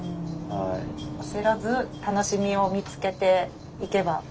あせらず楽しみを見つけていけば。